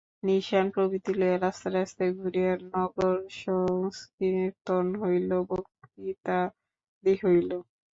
নিশান প্রভৃতি লইয়া রাস্তায় রাস্তায় ঘুরিয়া নগরসঙ্কীর্তন হইল, বক্তৃতাদি হইল।